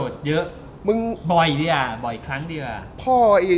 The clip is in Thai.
อเจมส์ยอดเยอะบ่อยอีกครั้งดีกว่ะ